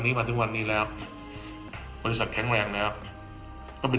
มาถึงวันนี้แล้วบริษัทแข็งแรงแล้วก็เป็น